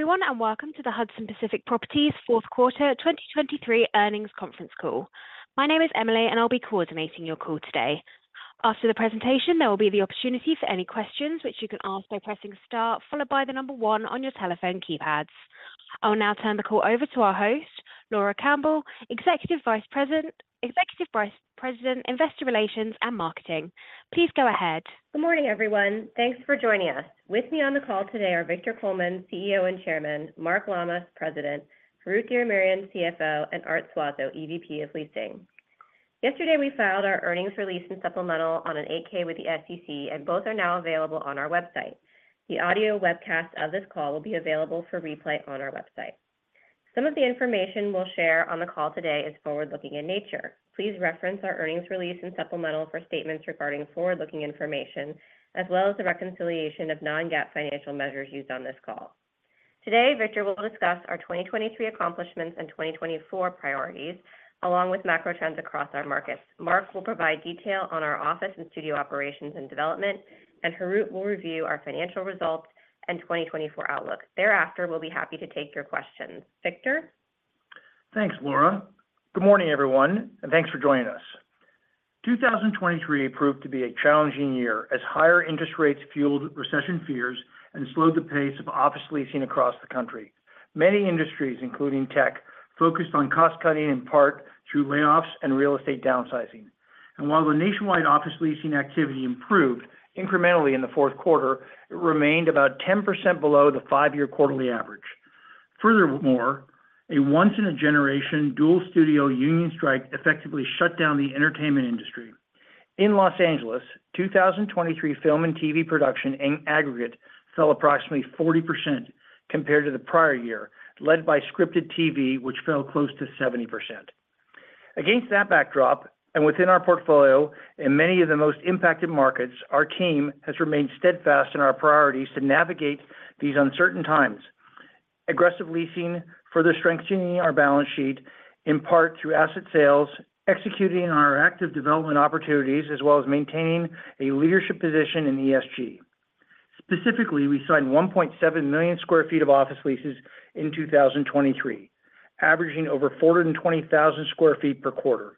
Everyone and welcome to the Hudson Pacific Properties fourth quarter 2023 earnings conference call. My name is Emily and I'll be coordinating your call today. After the presentation there will be the opportunity for any questions which you can ask by pressing star followed by the number one on your telephone keypads. I will now turn the call over to our host, Laura Campbell, Executive Vice President, Investor Relations and Marketing. Please go ahead. Good morning everyone. Thanks for joining us. With me on the call today are Victor Coleman, CEO and Chairman, Mark Lammas, President, Harout Diramerian, CFO, and Art Suazo, EVP of Leasing. Yesterday we filed our earnings release and supplemental on an 8-K with the SEC and both are now available on our website. The audio webcast of this call will be available for replay on our website. Some of the information we'll share on the call today is forward-looking in nature. Please reference our earnings release and supplemental for statements regarding forward-looking information as well as the reconciliation of non-GAAP financial measures used on this call. Today Victor will discuss our 2023 accomplishments and 2024 priorities along with macro trends across our markets. Mark will provide detail on our office and studio operations and development and Harout will review our financial results and 2024 outlook. Thereafter we'll be happy to take your questions. Victor? Thanks Laura. Good morning, everyone and thanks for joining us. 2023 proved to be a challenging year as higher interest rates fueled recession fears and slowed the pace of office leasing across the country. Many industries including tech focused on cost cutting in part through layoffs and real estate downsizing. And while the nationwide office leasing activity improved incrementally in the fourth quarter it remained about 10% below the five-year quarterly average. Furthermore, a once-in-a-generation dual-studio union strike effectively shut down the entertainment industry. In Los Angeles 2023 film and TV production aggregate fell approximately 40% compared to the prior year led by scripted TV which fell close to 70%. Against that backdrop and within our portfolio in many of the most impacted markets our team has remained steadfast in our priorities to navigate these uncertain times. Aggressive leasing further strengthening our balance sheet in part through asset sales executing our active development opportunities as well as maintaining a leadership position in ESG. Specifically we signed 1.7 million sq ft of office leases in 2023 averaging over 420,000 sq ft per quarter.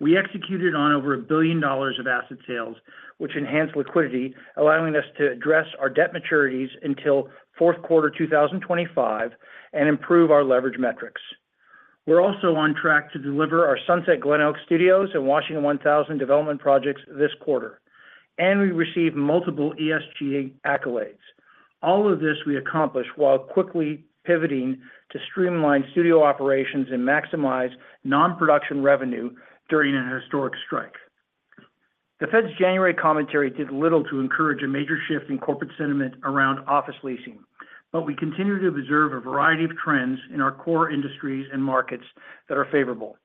We executed on over $1 billion of asset sales which enhanced liquidity allowing us to address our debt maturities until fourth quarter 2025 and improve our leverage metrics. We're also on track to deliver our Sunset Glenoaks Studios and Washington 1000 development projects this quarter and we received multiple ESG accolades. All of this we accomplish while quickly pivoting to streamline studio operations and maximize non-production revenue during a historic strike. The Fed's January commentary did little to encourage a major shift in corporate sentiment around office leasing but we continue to observe a variety of trends in our core industries and markets that are favorable.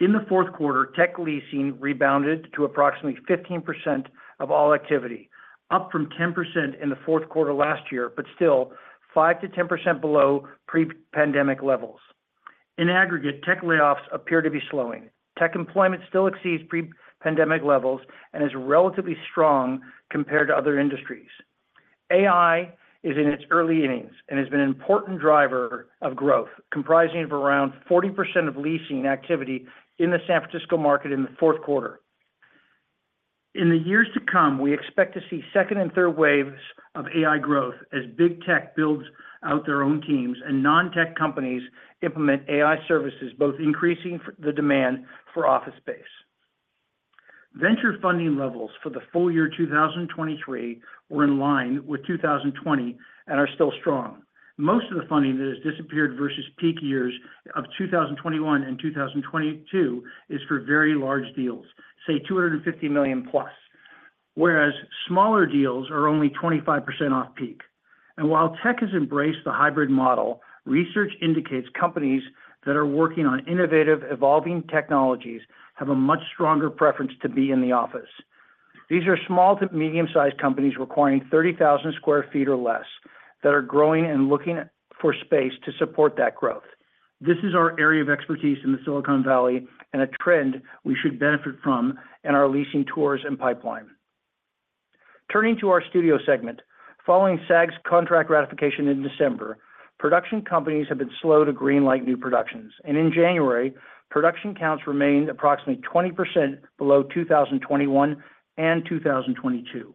In the fourth quarter tech leasing rebounded to approximately 15% of all activity up from 10% in the fourth quarter last year but still 5%-10% below pre-pandemic levels. In aggregate tech layoffs appear to be slowing. Tech employment still exceeds pre-pandemic levels and is relatively strong compared to other industries. AI is in its early innings and has been an important driver of growth comprising of around 40% of leasing activity in the San Francisco market in the fourth quarter. In the years to come we expect to see second and third waves of AI growth as big tech builds out their own teams and non-tech companies implement AI services both increasing the demand for office space. Venture funding levels for the full year 2023 were in line with 2020 and are still strong. Most of the funding that has disappeared versus peak years of 2021 and 2022 is for very large deals say $250 million+ whereas smaller deals are only 25% off peak. While tech has embraced the hybrid model research indicates companies that are working on innovative evolving technologies have a much stronger preference to be in the office. These are small to medium-sized companies requiring 30,000 sq ft or less that are growing and looking for space to support that growth. This is our area of expertise in the Silicon Valley and a trend we should benefit from in our leasing tours and pipeline. Turning to our studio segment, following SAG's contract ratification in December, production companies have been slow to greenlight new productions, and in January production counts remained approximately 20% below 2021 and 2022.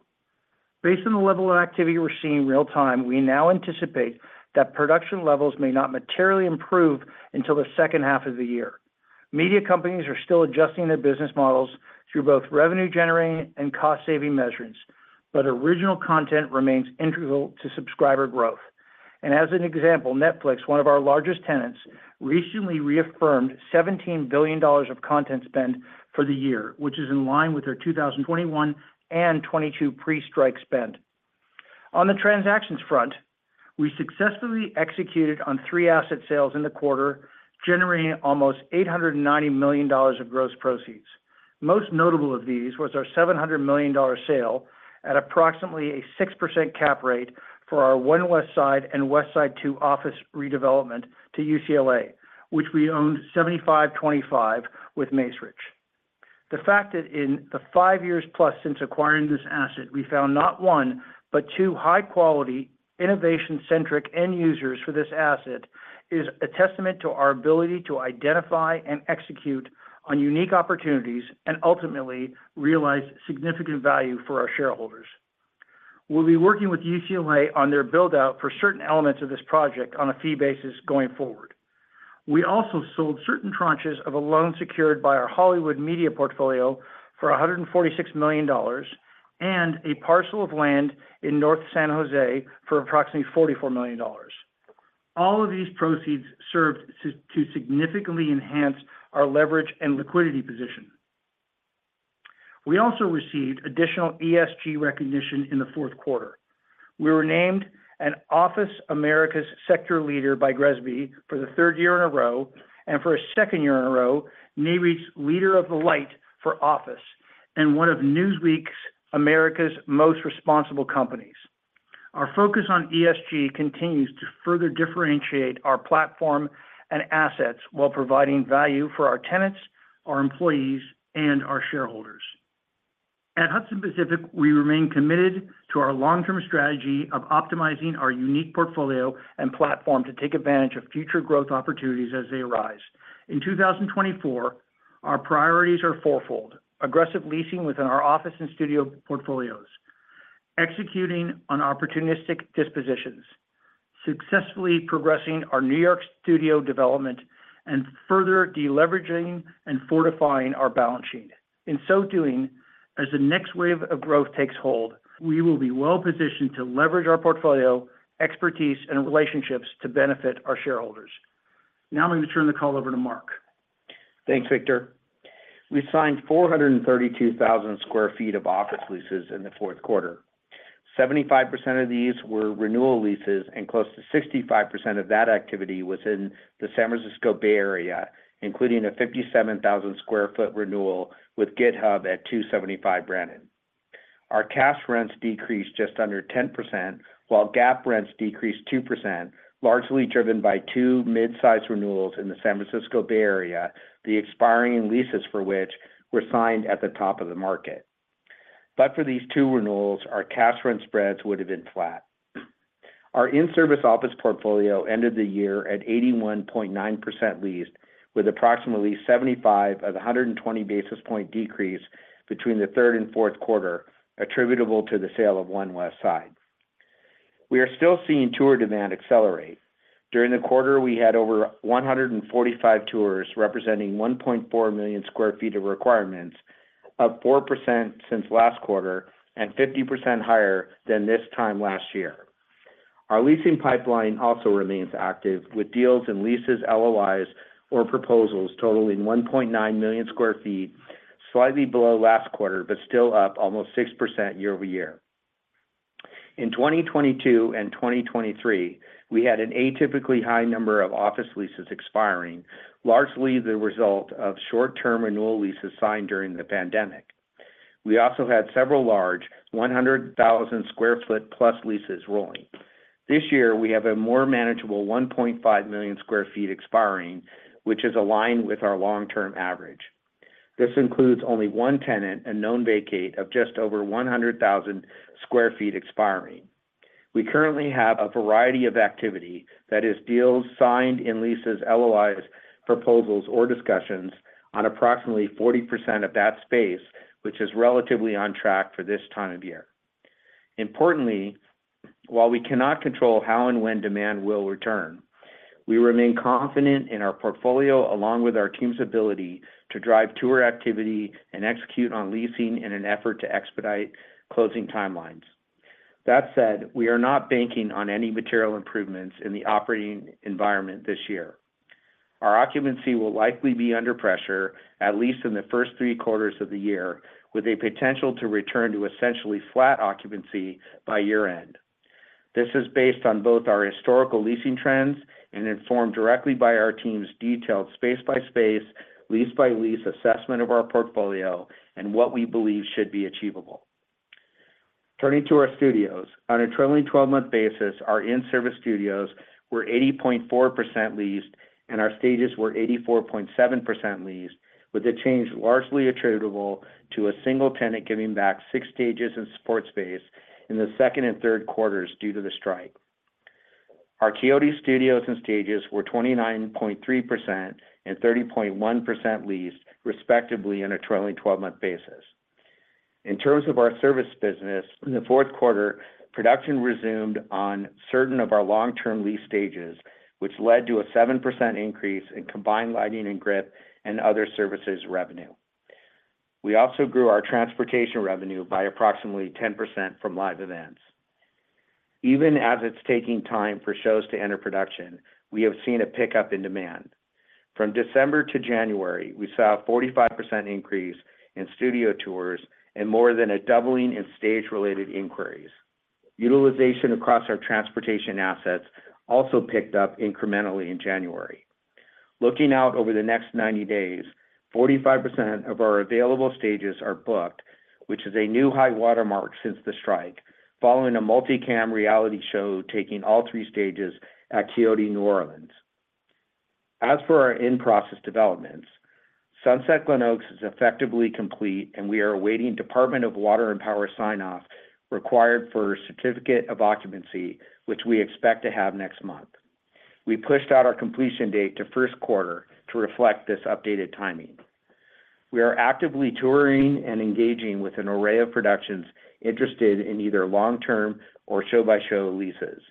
Based on the level of activity we're seeing real-time, we now anticipate that production levels may not materially improve until the second half of the year. Media companies are still adjusting their business models through both revenue-generating and cost-saving measures, but original content remains integral to subscriber growth. As an example, Netflix, one of our largest tenants, recently reaffirmed $17 billion of content spend for the year, which is in line with their 2021 and 2022 pre-strike spend. On the transactions front we successfully executed on three asset sales in the quarter generating almost $890 million of gross proceeds. Most notable of these was our $700 million sale at approximately a 6% cap rate for our One Westside and Westside Two office redevelopment to UCLA which we owned 75/25 with Macerich. The fact that in the five years plus since acquiring this asset we found not one but two high-quality innovation-centric end users for this asset is a testament to our ability to identify and execute on unique opportunities and ultimately realize significant value for our shareholders. We'll be working with UCLA on their buildout for certain elements of this project on a fee basis going forward. We also sold certain tranches of a loan secured by our Hollywood Media portfolio for $146 million and a parcel of land in North San Jose for approximately $44 million. All of these proceeds served to significantly enhance our leverage and liquidity position. We also received additional ESG recognition in the fourth quarter. We were named an Office Americas Sector Leader by GRESB for the third year in a row and for a second year in a row Nareit's Leader in the Light for Office and one of Newsweek's America's Most Responsible Companies. Our focus on ESG continues to further differentiate our platform and assets while providing value for our tenants, our employees, and our shareholders. At Hudson Pacific we remain committed to our long-term strategy of optimizing our unique portfolio and platform to take advantage of future growth opportunities as they arise. In 2024 our priorities are fourfold: aggressive leasing within our office and studio portfolios, executing on opportunistic dispositions, successfully progressing our New York studio development, and further deleveraging and fortifying our balance sheet. In so doing, as the next wave of growth takes hold we will be well positioned to leverage our portfolio, expertise, and relationships to benefit our shareholders. Now I'm going to turn the call over to Mark. Thanks, Victor. We signed 432,000 sq ft of office leases in the fourth quarter. 75% of these were renewal leases and close to 65% of that activity was in the San Francisco Bay Area, including a 57,000 sq ft renewal with GitHub at 275 Brannan. Our cash rents decreased just under 10% while GAAP rents decreased 2% largely driven by two midsize renewals in the San Francisco Bay Area, the expiring leases for which were signed at the top of the market. But for these two renewals our cash rent spreads would have been flat. Our in-service office portfolio ended the year at 81.9% leased with approximately 75 of 120 basis point decrease between the third and fourth quarter attributable to the sale of One Westside. We are still seeing tour demand accelerate. During the quarter we had over 145 tours representing 1.4 million sq ft of requirements up 4% since last quarter and 50% higher than this time last year. Our leasing pipeline also remains active with deals and leases LOIs or proposals totaling 1.9 million sq ft slightly below last quarter but still up almost 6% year-over-year. In 2022 and 2023 we had an atypically high number of office leases expiring largely the result of short-term renewal leases signed during the pandemic. We also had several large 100,000 sq ft+ leases rolling. This year we have a more manageable 1.5 million sq ft expiring which is aligned with our long-term average. This includes only one tenant and known vacate of just over 100,000 sq ft expiring. We currently have a variety of activity, that is, deals signed in leases, LOIs, proposals or discussions on approximately 40% of that space, which is relatively on track for this time of year. Importantly, while we cannot control how and when demand will return, we remain confident in our portfolio along with our team's ability to drive tour activity and execute on leasing in an effort to expedite closing timelines. That said, we are not banking on any material improvements in the operating environment this year. Our occupancy will likely be under pressure at least in the first three quarters of the year with a potential to return to essentially flat occupancy by year-end. This is based on both our historical leasing trends and informed directly by our team's detailed space-by-space, lease-by-lease assessment of our portfolio and what we believe should be achievable. Turning to our studios. On a trailing 12-month basis our in-service studios were 80.4% leased and our stages were 84.7% leased with a change largely attributable to a single tenant giving back six stages and support space in the second and third quarters due to the strike. Our Quixote studios and stages were 29.3% and 30.1% leased respectively on a trailing 12-month basis. In terms of our service business in the fourth quarter production resumed on certain of our long-term lease stages which led to a 7% increase in combined lighting and grip and other services revenue. We also grew our transportation revenue by approximately 10% from live events. Even as it's taking time for shows to enter production we have seen a pickup in demand. From December to January we saw a 45% increase in studio tours and more than a doubling in stage-related inquiries. Utilization across our transportation assets also picked up incrementally in January. Looking out over the next 90 days, 45% of our available stages are booked, which is a new high watermark since the strike following a multi-cam reality show taking all three stages at Quixote New Orleans. As for our in-process developments, Sunset Glenoaks is effectively complete and we are awaiting Department of Water and Power sign-off required for certificate of occupancy, which we expect to have next month. We pushed out our completion date to first quarter to reflect this updated timing. We are actively touring and engaging with an array of productions interested in either long-term or show-by-show leases.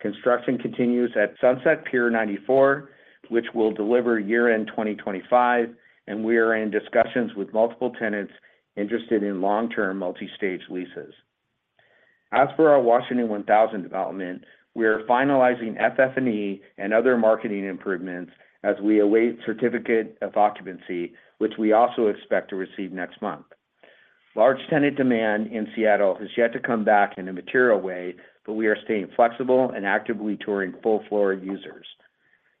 Construction continues at Sunset Pier 94, which will deliver year-end 2025 and we are in discussions with multiple tenants interested in long-term multi-stage leases. As for our Washington 1000 development, we are finalizing FF&E and other marketing improvements as we await Certificate of Occupancy, which we also expect to receive next month. Large tenant demand in Seattle has yet to come back in a material way, but we are staying flexible and actively touring full-floor users.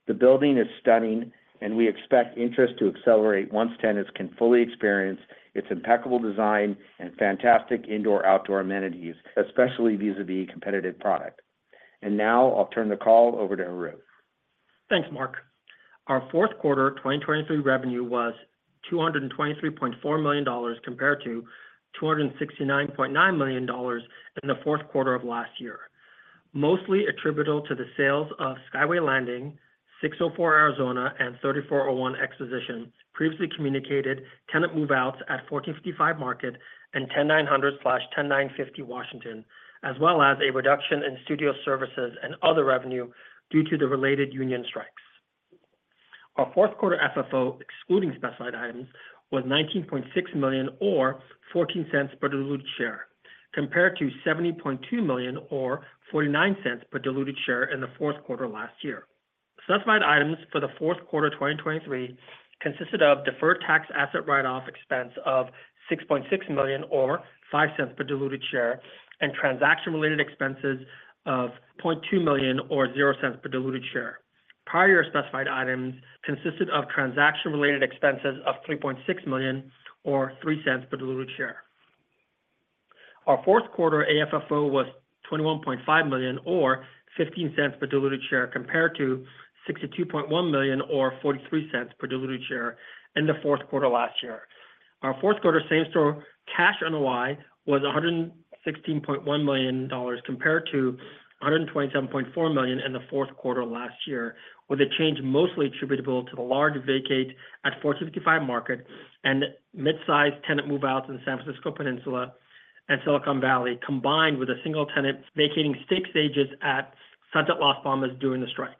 The building is stunning, and we expect interest to accelerate once tenants can fully experience its impeccable design and fantastic indoor-outdoor amenities, especially vis-à-vis competitive product. And now I'll turn the call over to Harout. Thanks Mark. Our fourth quarter 2023 revenue was $223.4 million compared to $269.9 million in the fourth quarter of last year mostly attributable to the sales of Skyway Landing, 604 Arizona, and 3401 Exposition previously communicated tenant move-outs at 1455 Market and 10900-10950 Washington as well as a reduction in studio services and other revenue due to the related union strikes. Our fourth quarter FFO excluding specified items was $19.6 million or $0.14 per diluted share compared to $70.2 million or $0.49 per diluted share in the fourth quarter last year. Specified items for the fourth quarter 2023 consisted of deferred tax asset write-off expense of $6.6 million or $0.05 per diluted share and transaction-related expenses of $0.2 million or $0.00 per diluted share. Prior specified items consisted of transaction-related expenses of $3.6 million or $0.03 per diluted share. Our fourth quarter AFFO was $21.5 million or $0.15 per diluted share compared to $62.1 million or $0.43 per diluted share in the fourth quarter last year. Our fourth quarter same-store cash NOI was $116.1 million compared to $127.4 million in the fourth quarter last year with a change mostly attributable to the large vacate at 1455 Market and midsize tenant move-outs in the San Francisco Peninsula and Silicon Valley combined with a single tenant vacating six stages at Sunset Las Palmas during the strike.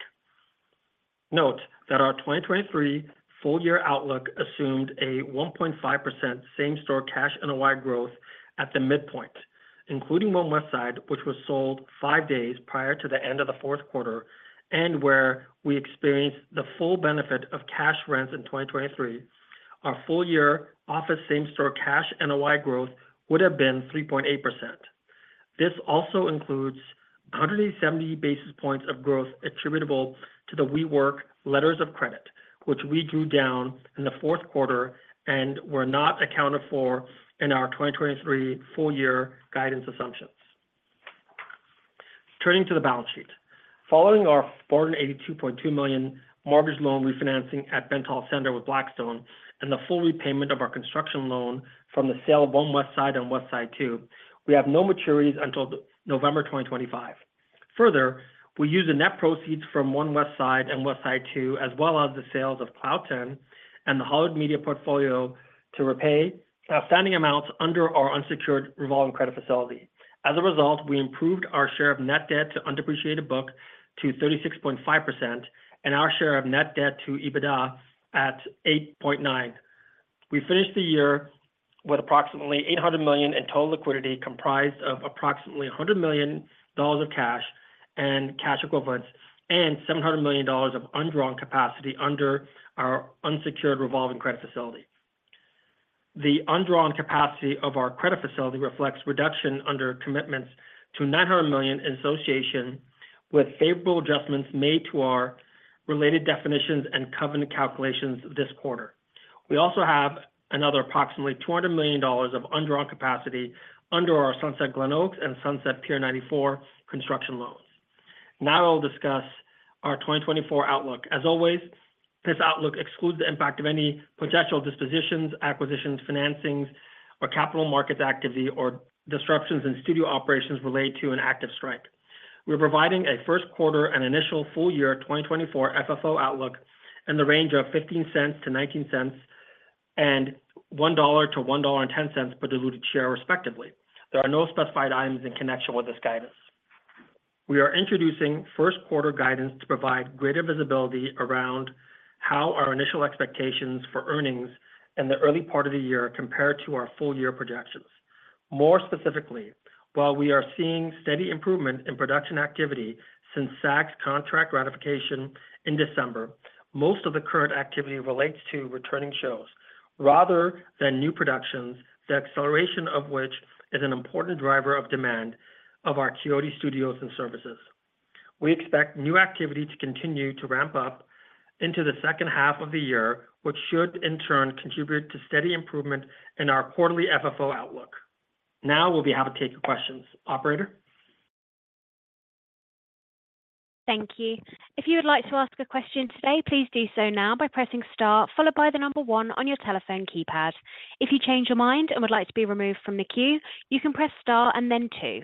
Note that our 2023 full-year outlook assumed a 1.5% same-store cash NOI growth at the midpoint including One Westside which was sold five days prior to the end of the fourth quarter and where we experienced the full benefit of cash rents in 2023, our full-year office same-store cash NOI growth would have been 3.8%. This also includes 170 basis points of growth attributable to the WeWork letters of credit which we drew down in the fourth quarter and were not accounted for in our 2023 full-year guidance assumptions. Turning to the balance sheet. Following our $482.2 million mortgage loan refinancing at Bentall Centre with Blackstone and the full repayment of our construction loan from the sale of One Westside and Westside Two we have no maturities until November 2025. Further, we use the net proceeds from One Westside and Westside Two as well as the sales of Cloud 10 and the Hollywood Media portfolio to repay outstanding amounts under our unsecured revolving credit facility. As a result, we improved our share of net debt to undepreciated book to 36.5% and our share of net debt to EBITDA at 8.9. We finished the year with approximately $800 million in total liquidity comprised of approximately $100 million of cash and cash equivalents and $700 million of undrawn capacity under our unsecured revolving credit facility. The undrawn capacity of our credit facility reflects reduction under commitments to $900 million in association with favorable adjustments made to our related definitions and covenant calculations this quarter. We also have another approximately $200 million of undrawn capacity under our Sunset Glenoaks and Sunset Pier 94 construction loans. Now I'll discuss our 2024 outlook. As always, this outlook excludes the impact of any potential dispositions, acquisitions, financings, or capital markets activity or disruptions in studio operations related to an active strike. We're providing a first quarter and initial full-year 2024 FFO outlook in the range of $0.15-$0.19 and $1-$1.10 per diluted share respectively. There are no specified items in connection with this guidance. We are introducing first quarter guidance to provide greater visibility around how our initial expectations for earnings in the early part of the year compare to our full-year projections. More specifically, while we are seeing steady improvement in production activity since SAG's contract ratification in December, most of the current activity relates to returning shows rather than new productions, the acceleration of which is an important driver of demand of our Quixote studios and services. We expect new activity to continue to ramp up into the second half of the year, which should in turn contribute to steady improvement in our quarterly FFO outlook. Now we'll be happy to take your questions. Operator. Thank you. If you would like to ask a question today, please do so now by pressing star followed by the number one on your telephone keypad. If you change your mind and would like to be removed from the queue, you can press star and then two.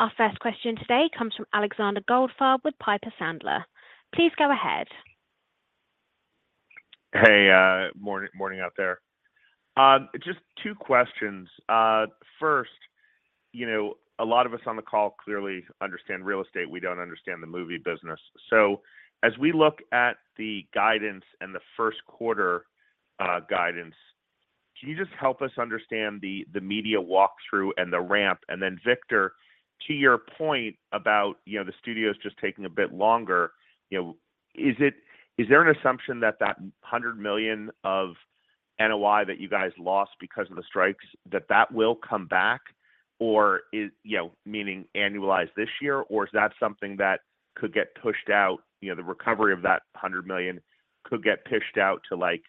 Our first question today comes from Alexander Goldfarb with Piper Sandler. Please go ahead. Good morning out there. Just two questions. First, you know, a lot of us on the call clearly understand real estate. We don't understand the movie business. So as we look at the guidance and the first quarter guidance, can you just help us understand the media walkthrough and the ramp? And then, Victor, to your point about, you know, the studios just taking a bit longer, you know, is there an assumption that that $100 million of NOI that you guys lost because of the strikes, that that will come back? Or is, you know, meaning annualized this year, or is that something that could get pushed out, you know, the recovery of that $100 million could get pushed out to like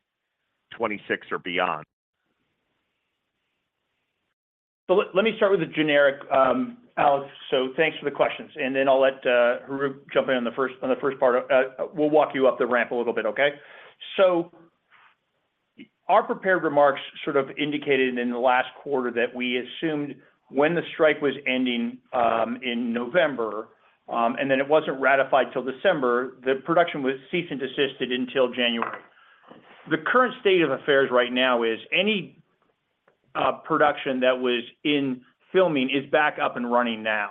2026 or beyond. So let me start with a generic Alex, so thanks for the questions, and then I'll let Harout jump in on the first on the first part. We'll walk you up the ramp a little bit, okay. So our prepared remarks sort of indicated in the last quarter that we assumed when the strike was ending in November and then it wasn't ratified till December the production was ceased and desisted until January. The current state of affairs right now is any production that was in filming is back up and running now.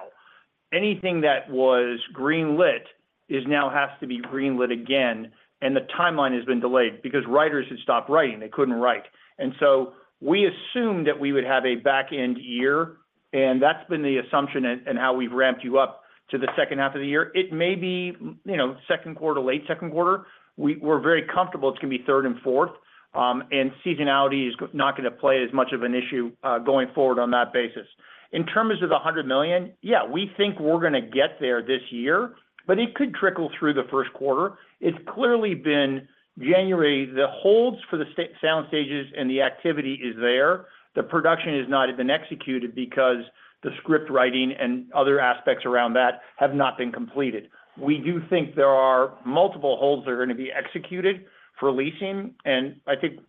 Anything that was green lit is now has to be green lit again and the timeline has been delayed because writers had stopped writing they couldn't write. And so we assumed that we would have a back-end year and that's been the assumption and how we've ramped you up to the second half of the year. It may be, you know, second quarter, late second quarter. We're very comfortable it's going to be third and fourth, and seasonality is not going to play as much of an issue going forward on that basis. In terms of the $100 million, yeah, we think we're going to get there this year, but it could trickle through the first quarter. It's clearly been January, the holds for the sound stages and the activity is there. The production has not been executed because the script writing and other aspects around that have not been completed. We do think there are multiple holds that are going to be executed for leasing, and I think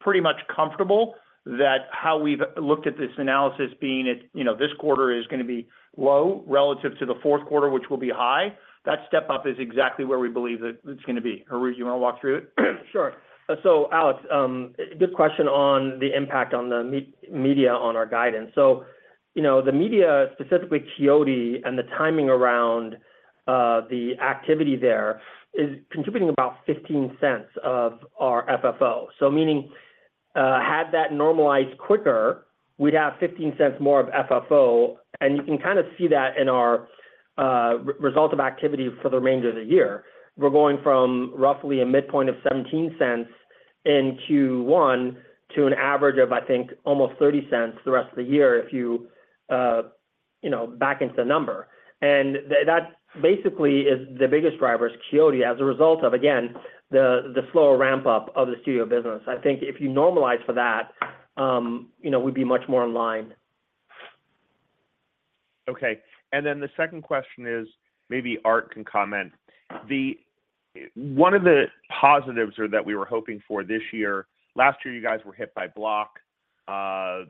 pretty much comfortable that how we've looked at this analysis being at, you know, this quarter is going to be low relative to the fourth quarter which will be high. That step up is exactly where we believe that it's going to be. Harout, you want to walk through it? Sure. So Alex, good question on the impact on the media on our guidance. So you know the media, specifically Quixote, and the timing around the activity there is contributing about $0.15 of our FFO. So meaning had that normalized quicker we'd have $0.15 more of FFO and you can kind of see that in our results of activity for the remainder of the year. We're going from roughly a midpoint of $0.17 in Q1 to an average of I think almost $0.30 the rest of the year if you know back into the number. And that basically is the biggest driver is Quixote as a result of again the slower ramp up of the studio business. I think if you normalize for that you know we'd be much more in line. Okay. And then the second question is maybe Art can comment. One of the positives that we were hoping for this year last year you guys were hit by Block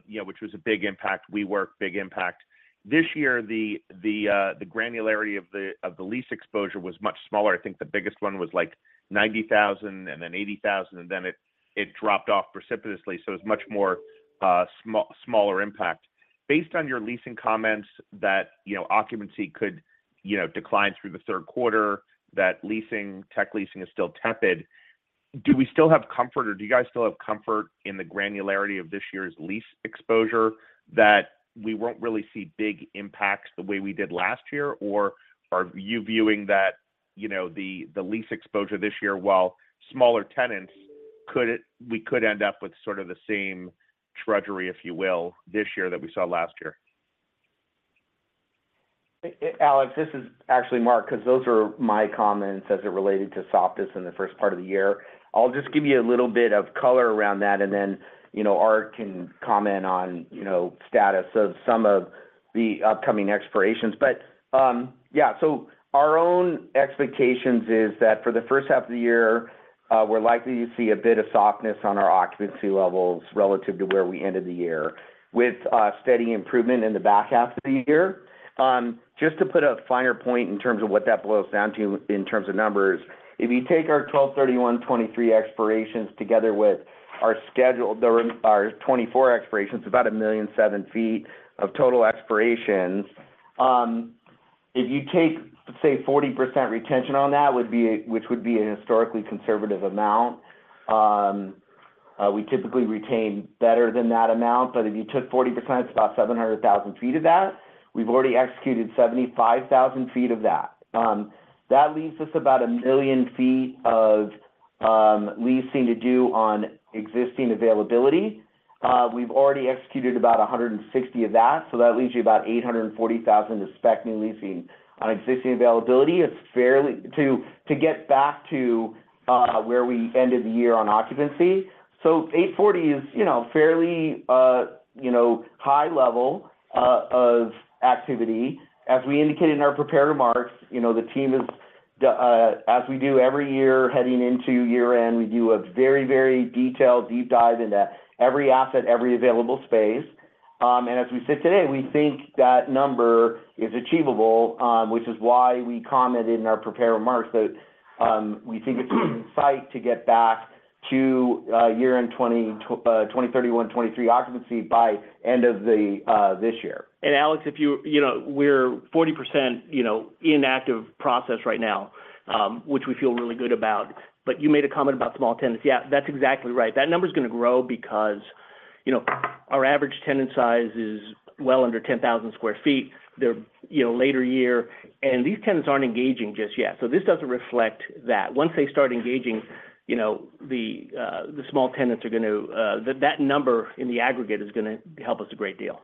you know which was a big impact. WeWork big impact. This year the granularity of the lease exposure was much smaller. I think the biggest one was like 90,000 and then 80,000 and then it dropped off precipitously. So it was much smaller impact. Based on your leasing comments that, you know, occupancy could, you know, decline through the third quarter, that leasing, tech leasing, is still tepid, do we still have comfort or do you guys still have comfort in the granularity of this year's lease exposure that we won't really see big impacts the way we did last year or are you viewing that, you know, the lease exposure this year while smaller tenants, we could end up with sort of the same trajectory, if you will, this year that we saw last year? Alex, this is actually Mark because those are my comments as it related to softness in the first part of the year. I'll just give you a little bit of color around that and then you know Art can comment on you know status of some of the upcoming expirations. But yeah so our own expectations is that for the first half of the year we're likely to see a bit of softness on our occupancy levels relative to where we ended the year with steady improvement in the back half of the year. Just to put a finer point in terms of what that boils down to in terms of numbers, if you take our 2023 expirations together with our scheduled 2024 expirations, about 1.7 million sq ft of total expirations. If you take say 40% retention on that, which would be a historically conservative amount. We typically retain better than that amount, but if you took 40% it's about 700,000 sq ft of that. We've already executed 75,000 sq ft of that. That leaves us about 1 million sq ft of leasing to do on existing availability. We've already executed about 160,000 sq ft of that so that leaves you about 840,000 sq ft to spec new leasing on existing availability. It's fairly easy to get back to where we ended the year on occupancy. So 840,000 sq ft is you know fairly you know high level of activity. As we indicated in our prepared remarks, you know, the team is, as we do every year heading into year-end, we do a very, very detailed deep dive into every asset, every available space. As we sit today, we think that number is achievable, which is why we commented in our prepared remarks that we think it's in sight to get back to year-end 2023 occupancy by end of this year. Alex, if you know we're 40% you know in active process right now which we feel really good about. But you made a comment about small tenants. Yeah that's exactly right. That number is going to grow because you know our average tenant size is well under 10,000 sq ft there you know later year and these tenants aren't engaging just yet. So this doesn't reflect that. Once they start engaging you know the small tenants are going to that number in the aggregate is going to help us a great deal.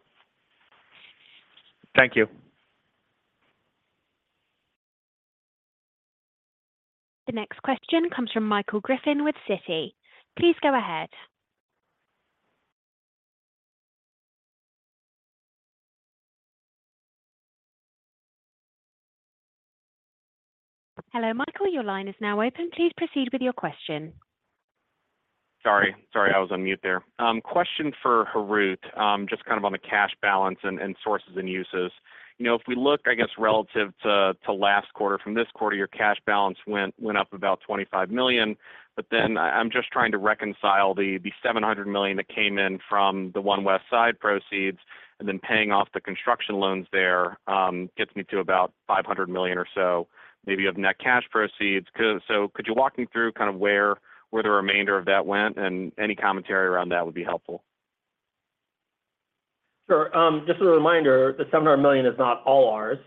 Thank you. The next question comes from Michael Griffin with Citi. Please go ahead. Hello Michael, your line is now open. Please proceed with your question. Sorry, sorry, I was on mute there. Question for Harout just kind of on the cash balance and sources and uses. You know, if we look, I guess, relative to last quarter from this quarter, your cash balance went up about $25 million, but then I'm just trying to reconcile the $700 million that came in from the One Westside proceeds and then paying off the construction loans there gets me to about $500 million or so, maybe, of net cash proceeds. So could you walk me through kind of where the remainder of that went and any commentary around that would be helpful. Sure. Just a reminder the $700 million is not all ours.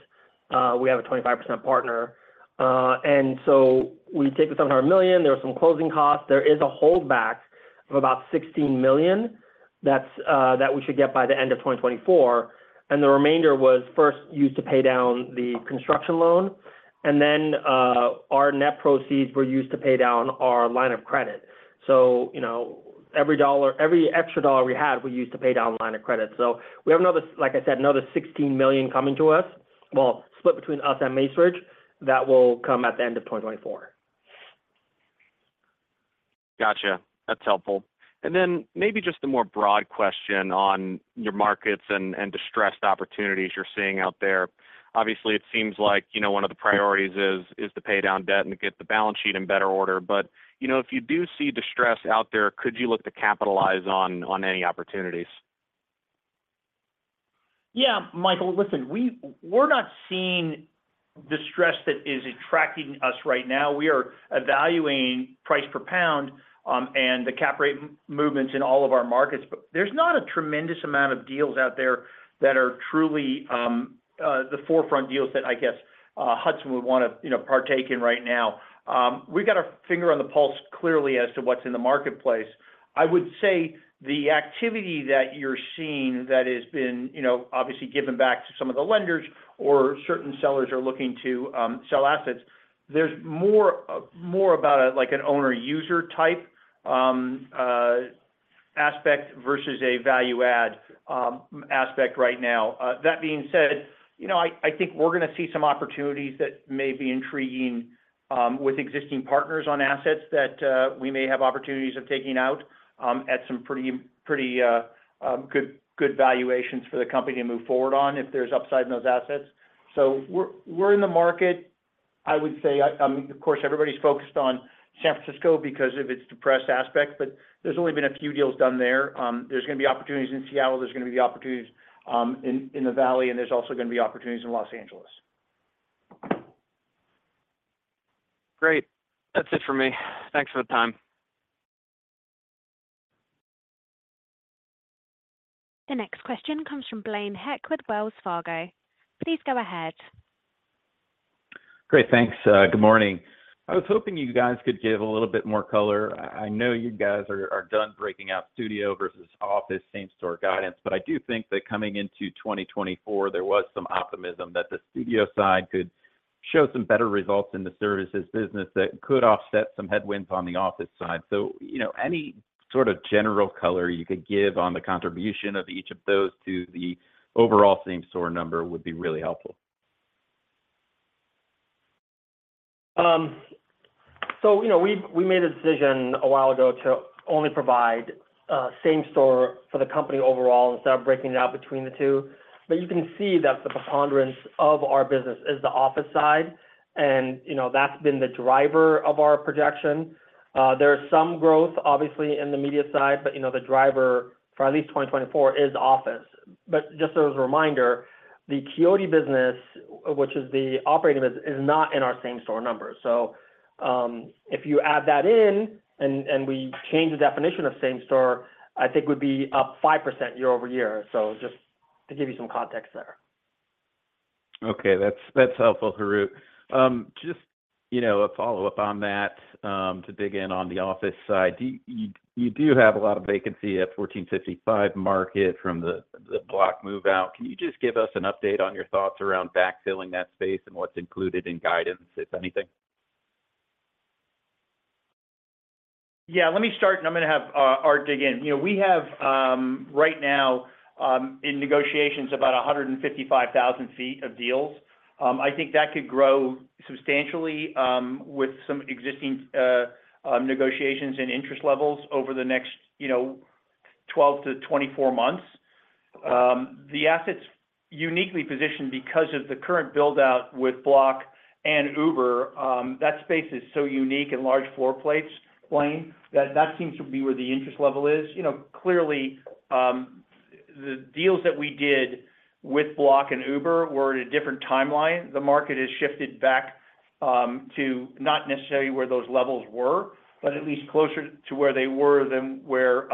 We have a 25% partner and so we take the $700 million. There are some closing costs. There is a holdback of about $16 million that's we should get by the end of 2024 and the remainder was first used to pay down the construction loan and then our net proceeds were used to pay down our line of credit. So you know every dollar every extra dollar we had we used to pay down line of credit. So we have another like I said another $16 million coming to us well split between us and Macerich that will come at the end of 2024. Gotcha. That's helpful. And then maybe just the more broad question on your markets and distressed opportunities you're seeing out there. Obviously it seems like you know one of the priorities is to pay down debt and get the balance sheet in better order. But you know if you do see distress out there could you look to capitalize on any opportunities? Yeah, Michael, listen, we're not seeing distress that is attracting us right now. We are evaluating price per pound and the cap rate movements in all of our markets, but there's not a tremendous amount of deals out there that are truly the forefront deals that I guess Hudson would want to, you know, partake in right now. We've got our finger on the pulse clearly as to what's in the marketplace. I would say the activity that you're seeing that has been, you know, obviously given back to some of the lenders or certain sellers are looking to sell assets. There's more about a, like, an owner-user type aspect versus a value-add aspect right now. That being said, you know, I think we're going to see some opportunities that may be intriguing with existing partners on assets that we may have opportunities of taking out at some pretty good valuations for the company to move forward on if there's upside in those assets. So we're in the market, I would say. I mean, of course everybody's focused on San Francisco because of its depressed aspect, but there's only been a few deals done there. There's going to be opportunities in Seattle. There's going to be opportunities in the valley, and there's also going to be opportunities in Los Angeles. Great. That's it for me. Thanks for the time. The next question comes from Blaine Heck with Wells Fargo. Please go ahead. Great thanks. Good morning. I was hoping you guys could give a little bit more color. I know you guys are done breaking out studio versus office same store guidance, but I do think that coming into 2024 there was some optimism that the studio side could show some better results in the services business that could offset some headwinds on the office side. So you know, any sort of general color you could give on the contribution of each of those to the overall same store number would be really helpful. So you know we've made a decision a while ago to only provide same store for the company overall instead of breaking it out between the two. But you can see that the preponderance of our business is the office side and you know that's been the driver of our projection. There is some growth obviously in the media side but you know the driver for at least 2024 is office. But just as a reminder the Quixote business which is the operating business is not in our same store number. So if you add that in and we change the definition of same store I think would be up 5% year-over-year. So just to give you some context there. Okay. That's helpful, Harout. Just you know a follow up on that to dig in on the office side. You do have a lot of vacancy at 1455 Market from the Block move out. Can you just give us an update on your thoughts around backfilling that space and what's included in guidance if anything? Yeah, let me start and I'm going to have Art dig in. You know we have right now in negotiations about 155,000 feet of deals. I think that could grow substantially with some existing negotiations and interest levels over the next you know 12-24 months. The assets uniquely positioned because of the current build out with Block and Uber that space is so unique and large floor plates Blaine that that seems to be where the interest level is. You know clearly the deals that we did with Block and Uber were in a different timeline. The market has shifted back to not necessarily where those levels were but at least closer to where they were than where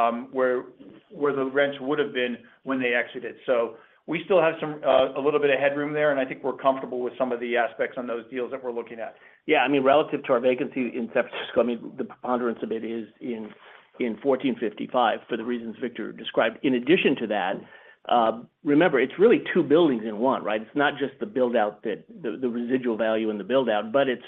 the rents would have been when they exited. We still have a little bit of headroom there, and I think we're comfortable with some of the aspects on those deals that we're looking at. Yeah, I mean, relative to our vacancy in San Francisco, I mean, the preponderance of it is in 1455 for the reasons Victor described. In addition to that, remember it's really two buildings in one, right. It's not just the build out that the residual value in the build out but it's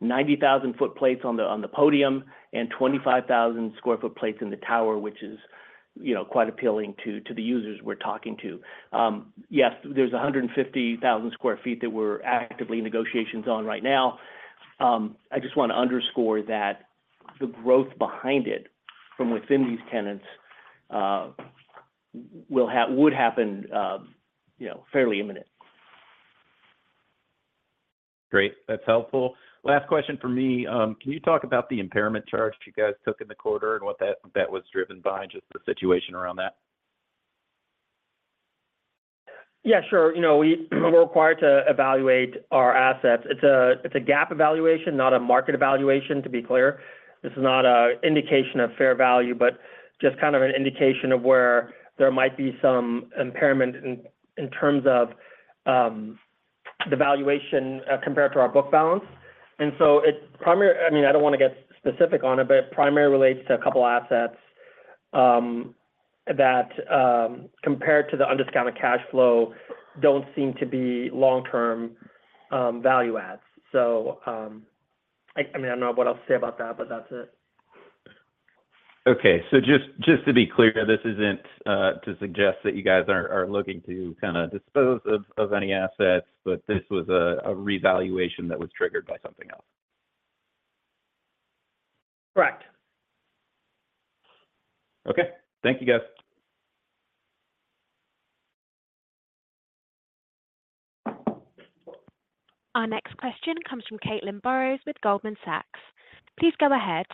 90,000 sq ft plates on the podium and 25,000 sq ft plates in the tower which is you know quite appealing to the users we're talking to. Yes, there's 150,000 sq ft that we're actively in negotiations on right now. I just want to underscore that the growth behind it from within these tenants will have would happen you know fairly imminent. Great. That's helpful. Last question for me. Can you talk about the impairment charge you guys took in the quarter and what that was driven by just the situation around that? Yeah, sure. You know we're required to evaluate our assets. It's a gap evaluation not a market evaluation to be clear. This is not an indication of fair value but just kind of an indication of where there might be some impairment in terms of the valuation compared to our book balance. And so it primarily—I mean I don't want to get specific on it but it primarily relates to a couple assets that compared to the undiscounted cash flow don't seem to be long term value adds. So I mean I don't know what else to say about that but that's it. Okay. So just to be clear, this isn't to suggest that you guys are looking to kind of dispose of any assets, but this was a revaluation that was triggered by something else. Correct. Okay. Thank you guys. Our next question comes from Caitlin Burrows with Goldman Sachs. Please go ahead.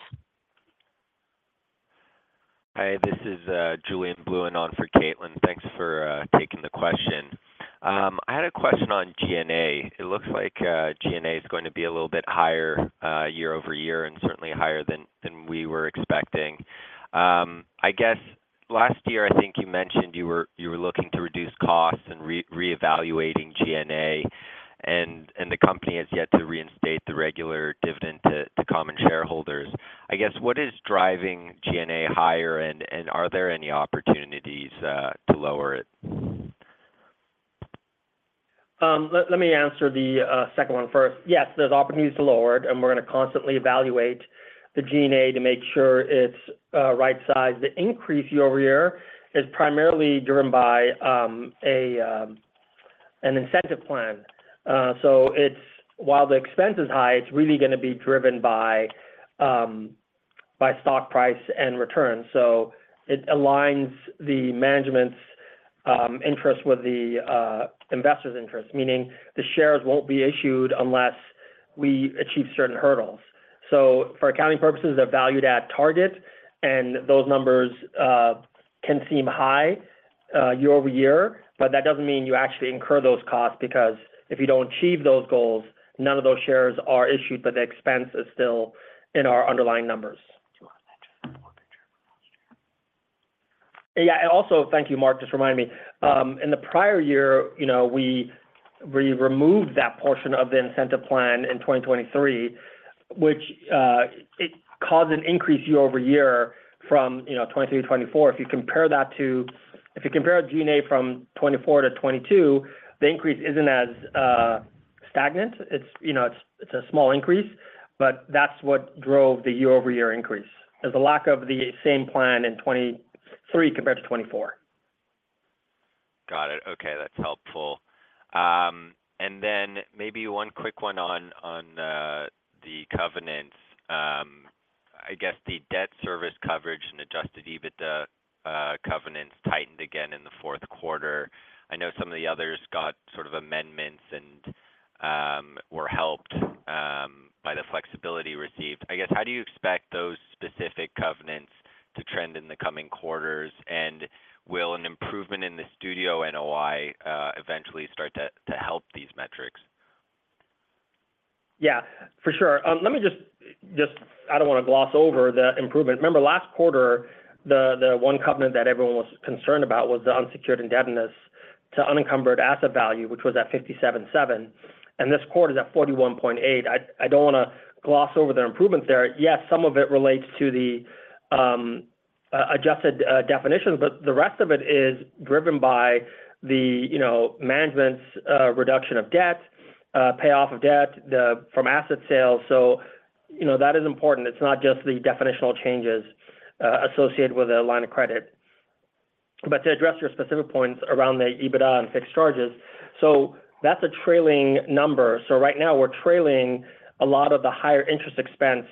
Hi, this is Julien Blouin on for Caitlin. Thanks for taking the question. I had a question on G&A. It looks like G&A is going to be a little bit higher year-over-year and certainly higher than we were expecting. I guess last year I think you mentioned you were looking to reduce costs and reevaluating G&A and the company has yet to reinstate the regular dividend to common shareholders. I guess what is driving G&A higher and are there any opportunities to lower it? Let me answer the second one first. Yes, there's opportunities to lower it and we're going to constantly evaluate the G&A to make sure it's right sized. The increase year over year is primarily driven by an incentive plan. So it's while the expense is high, it's really going to be driven by stock price and return. So it aligns the management's interest with the investor's interest, meaning the shares won't be issued unless we achieve certain hurdles. So for accounting purposes they're valued at target and those numbers can seem high year over year but that doesn't mean you actually incur those costs because if you don't achieve those goals none of those shares are issued but the expense is still in our underlying numbers. Do you want to mention that more picture for last year? Yeah, and also, thank you, Mark. Just reminded me, in the prior year, you know, we we removed that portion of the incentive plan in 2023, which it caused an increase year-over-year from, you know, 2023-2024. If you compare that to if you compare G&A from 2024 to 2022, the increase isn't as stagnant. It's, you know, it's it's a small increase, but that's what drove the year-over-year increase is the lack of the same plan in 2023 compared to 2024. Got it. Okay. That's helpful. And then maybe one quick one on the covenants. I guess the debt service coverage and adjusted EBITDA covenants tightened again in the fourth quarter. I know some of the others got sort of amendments and were helped by the flexibility received. I guess how do you expect those specific covenants to trend in the coming quarters and will an improvement in the studio NOI eventually start to help these metrics? Yeah, for sure. Let me just—I don't want to gloss over the improvement. Remember last quarter the one covenant that everyone was concerned about was the unsecured indebtedness to unencumbered asset value which was at 57.7% and this quarter is at 41.8%. I don't want to gloss over the improvements there. Yes, some of it relates to the adjusted definition but the rest of it is driven by the, you know, management's reduction of debt, payoff of debt from asset sales. So you know that is important. It's not just the definitional changes associated with a line of credit but to address your specific points around the EBITDA and fixed charges. So that's a trailing number. So right now we're trailing a lot of the higher interest expense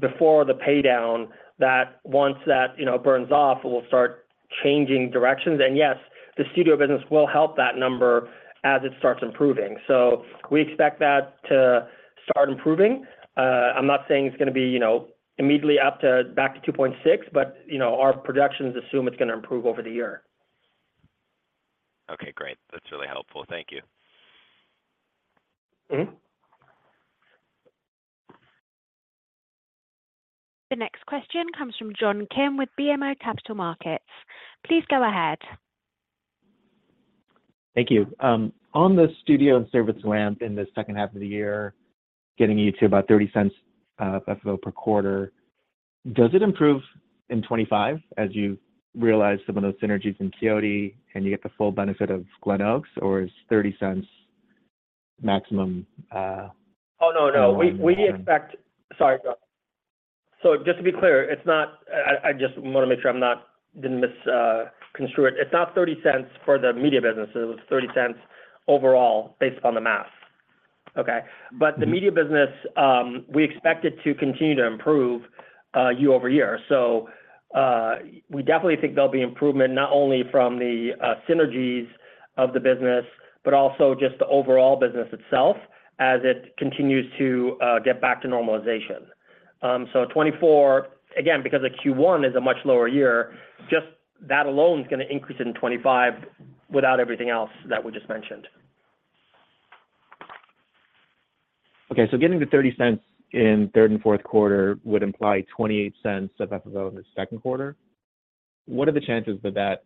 before the pay down that once that you know burns off it will start changing directions. And yes, the studio business will help that number as it starts improving. So we expect that to start improving. I'm not saying it's going to be, you know, immediately up to back to 2.6, but you know our projections assume it's going to improve over the year. Okay. Great. That's really helpful. Thank you. The next question comes from John Kim with BMO Capital Markets. Please go ahead. Thank you. On the studio and services ramp in this second half of the year getting you to about $0.30 FFO per quarter, does it improve in 2025 as you realize some of those synergies in Quixote and you get the full benefit of Glenoaks or is $0.30 maximum? Oh, no, no. We expect, sorry, John. So just to be clear, it's not. I just want to make sure I didn't misconstrue it. It's not $0.30 for the media business. It was $0.30 overall based upon the math. Okay. But the media business we expect it to continue to improve year-over-year. So we definitely think there'll be improvement not only from the synergies of the business but also just the overall business itself as it continues to get back to normalization. So 2024 again because of Q1 is a much lower year just that alone is going to increase it in 2025 without everything else that we just mentioned. Okay. So getting the $0.30 in third and fourth quarter would imply $0.28 of FFO in the second quarter. What are the chances that that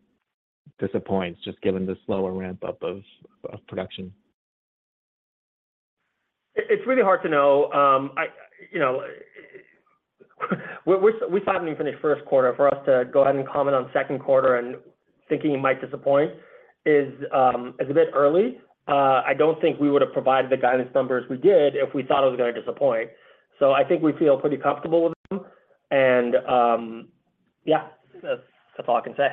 disappoints just given the slower ramp up of production? It's really hard to know. You know we're starting to finish first quarter. For us to go ahead and comment on second quarter and thinking it might disappoint is a bit early. I don't think we would have provided the guidance numbers we did if we thought it was going to disappoint. So I think we feel pretty comfortable with them and yeah that's all I can say.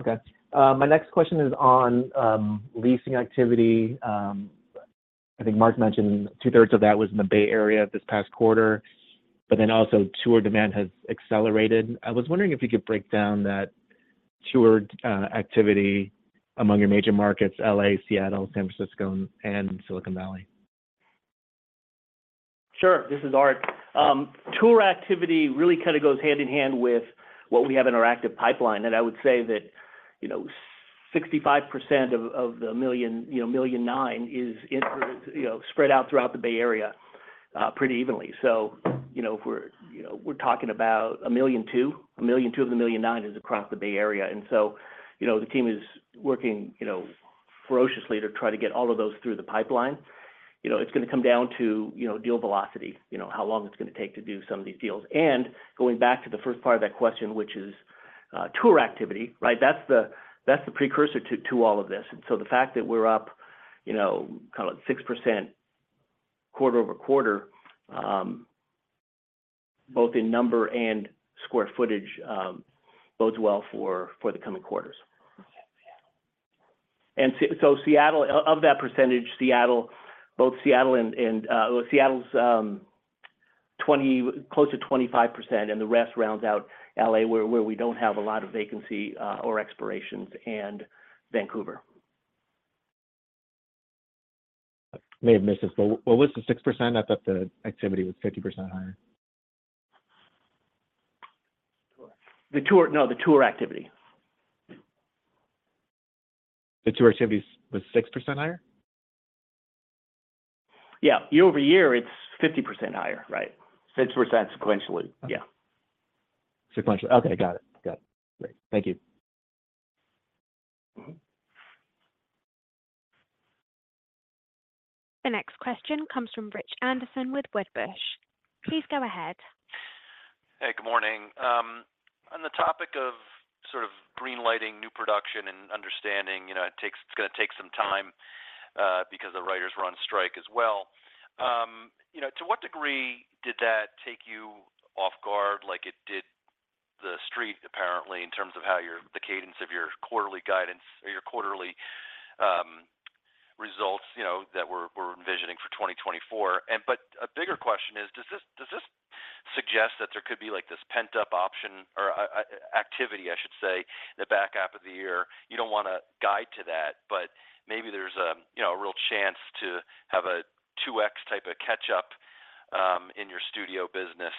Okay. My next question is on leasing activity. I think Mark mentioned two-thirds of that was in the Bay Area this past quarter, but then also tour demand has accelerated. I was wondering if you could break down that tour activity among your major markets: LA, Seattle, San Francisco, and Silicon Valley. Sure. This is Art. Tour activity really kind of goes hand in hand with what we have in our active pipeline and I would say that you know 65% of the 1.9 million is you know spread out throughout the Bay Area pretty evenly. So you know if we're you know we're talking about 1.2 million 1.2 million of the 1.9 million is across the Bay Area. And so you know the team is working you know ferociously to try to get all of those through the pipeline. You know it's going to come down to you know deal velocity you know how long it's going to take to do some of these deals. And going back to the first part of that question which is tour activity right that's the that's the precursor to to all of this. And so the fact that we're up, you know, kind of 6% quarter-over-quarter both in number and square footage bodes well for the coming quarters. And so, of that percentage, Seattle both Seattle and Seattle's 20%, close to 25%, and the rest rounds out LA, where we don't have a lot of vacancy or expirations, and Vancouver. May have missed this, but what was the 6%? I thought the activity was 50% higher. The tour, no, the tour activity. The tour activity was 6% higher? Yeah, year-over-year it's 50% higher, right? 6% sequentially. Yeah. Sequentially. Okay. Got it. Got it. Great. Thank you. The next question comes from Rich Anderson with Wedbush. Please go ahead. Hey, good morning. On the topic of sort of greenlighting new production and understanding, you know, it takes it's going to take some time because the writers were on strike as well. You know, to what degree did that take you off guard like it did the street apparently in terms of how your the cadence of your quarterly guidance or your quarterly results you know that we're we're envisioning for 2024. And but a bigger question is, does this does this suggest that there could be like this pent-up option or activity I should say in the back half of the year. You don't want to guide to that but maybe there's a you know a real chance to have a 2x type of catch up in your studio business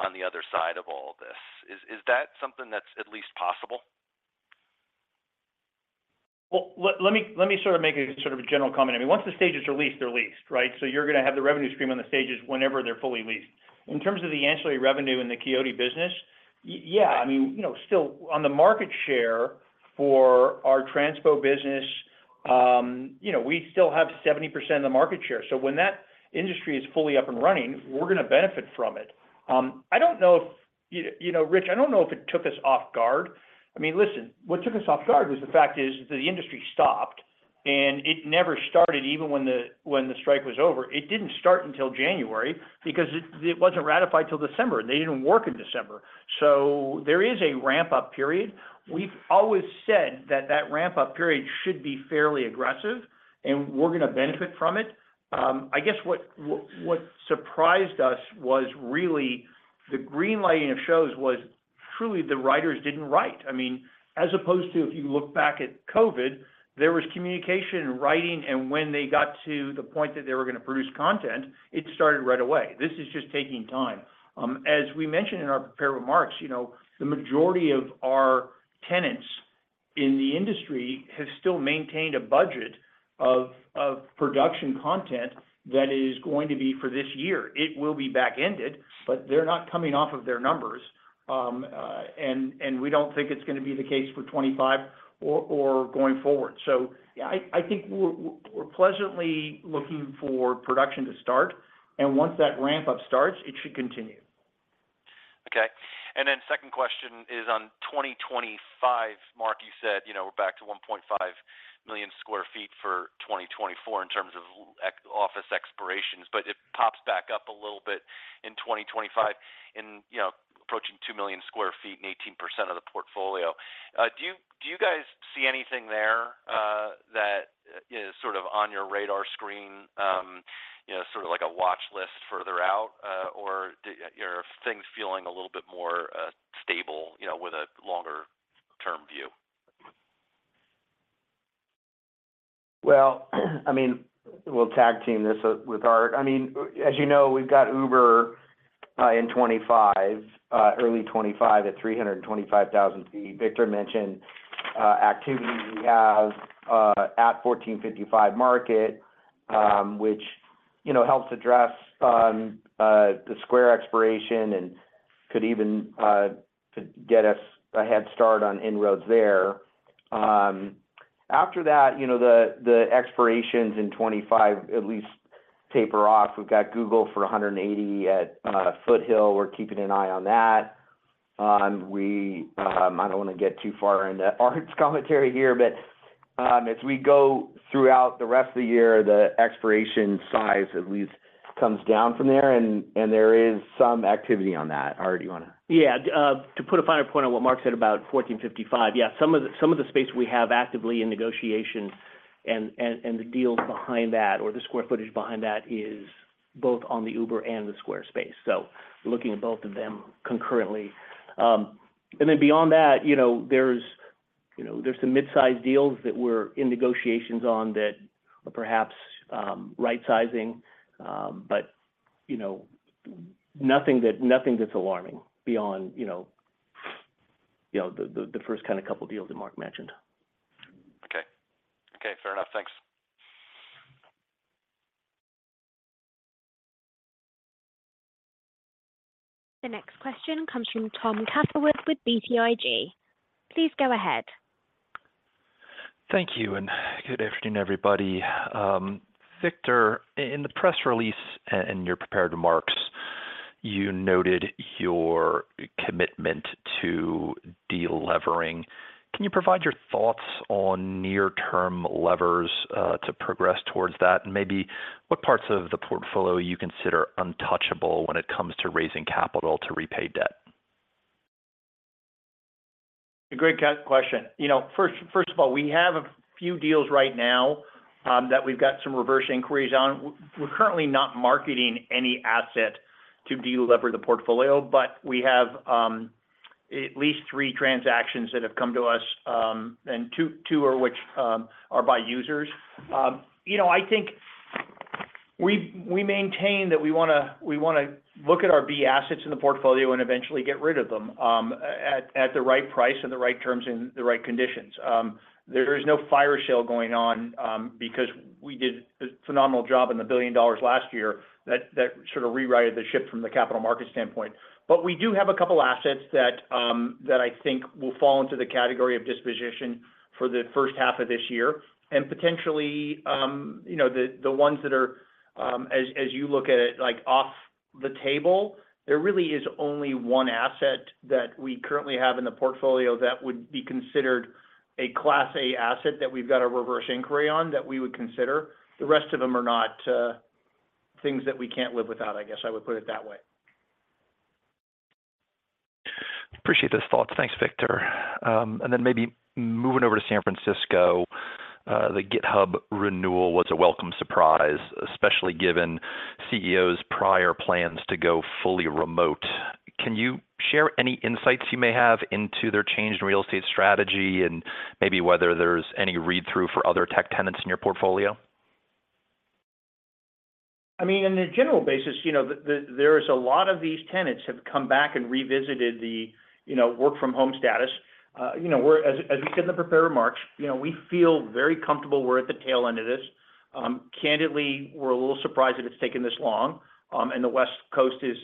on the other side of all of this. Is that something that's at least possible? Well, let me sort of make a general comment. I mean, once the stages are leased, they're leased, right? So, you're going to have the revenue stream on the stages whenever they're fully leased. In terms of the annual revenue in the Quixote business, yeah, I mean, you know, still on the market share for our transpo business, you know, we still have 70% of the market share. So, when that industry is fully up and running, we're going to benefit from it. I don't know if you know, Rich, I don't know if it took us off guard. I mean, listen, what took us off guard is the fact that the industry stopped and it never started even when the strike was over. It didn't start until January because it wasn't ratified till December and they didn't work in December. So there is a ramp up period. We've always said that that ramp up period should be fairly aggressive and we're going to benefit from it. I guess what surprised us was really the greenlighting of shows was truly the writers didn't write. I mean as opposed to if you look back at COVID there was communication and writing and when they got to the point that they were going to produce content it started right away. This is just taking time. As we mentioned in our prepared remarks you know the majority of our tenants in the industry have still maintained a budget of production content that is going to be for this year. It will be back ended but they're not coming off of their numbers and we don't think it's going to be the case for 2025 or going forward. So yeah, I think we're pleasantly looking for production to start and once that ramp up starts it should continue. Okay. And then second question is on 2025. Mark, you said you know we're back to 1.5 million sq ft for 2024 in terms of office expirations but it pops back up a little bit in 2025, you know, approaching 2 million sq ft and 18% of the portfolio. Do you guys see anything there that is sort of on your radar screen you know sort of like a watch list further out or are things feeling a little bit more stable you know with a longer term view? Well, I mean, we'll tag team this with Art. I mean, as you know, we've got Uber in 2025, early 2025, at 325,000 sq ft. Victor mentioned activity we have at 1455 Market, which, you know, helps address the square expiration and could even get us a head start on inroads there. After that, you know, the expirations in 2025 at least taper off. We've got Google for 180,000 sq ft at Foothill. We're keeping an eye on that. I don't want to get too far into Art's commentary here, but as we go throughout the rest of the year, the expiration size at least comes down from there and there is some activity on that. Art, do you want to. Yeah, to put a finer point on what Mark said about 1455. Yeah, some of the space we have actively in negotiation, and the deals behind that or the square footage behind that is both on the Uber and the Square space. So, looking at both of them concurrently. And then beyond that, you know, there's some mid-sized deals that we're in negotiations on that are perhaps right-sizing, but you know nothing that's alarming beyond you know the first kind of couple deals that Mark mentioned. Okay. Okay. Fair enough. Thanks. The next question comes from Tom Catherwood with BTIG. Please go ahead. Thank you and good afternoon everybody. Victor, in the press release and your prepared remarks you noted your commitment to de-levering. Can you provide your thoughts on near-term levers to progress towards that and maybe what parts of the portfolio you consider untouchable when it comes to raising capital to repay debt? A great question. You know, first of all, we have a few deals right now that we've got some reverse inquiries on. We're currently not marketing any asset to de-lever the portfolio, but we have at least three transactions that have come to us, and two of which are by buyers. You know, I think we maintain that we want to look at our B assets in the portfolio and eventually get rid of them at the right price and the right terms and the right conditions. There is no fire sale going on because we did a phenomenal job in the $1 billion last year that sort of righted the ship from the capital markets standpoint. But we do have a couple assets that I think will fall into the category of disposition for the first half of this year and potentially you know the ones that are as you look at it like off the table. There really is only one asset that we currently have in the portfolio that would be considered a Class A asset that we've got a reverse inquiry on that we would consider. The rest of them are not things that we can't live without I guess I would put it that way. Appreciate those thoughts. Thanks Victor. Then maybe moving over to San Francisco the GitHub renewal was a welcome surprise especially given CEO's prior plans to go fully remote. Can you share any insights you may have into their changed real estate strategy and maybe whether there's any read through for other tech tenants in your portfolio? I mean, on a general basis, you know, there is a lot of these tenants have come back and revisited the, you know, work from home status. You know, we're, as we said in the prepared remarks, you know, we feel very comfortable; we're at the tail end of this. Candidly, we're a little surprised that it's taken this long, and the West Coast is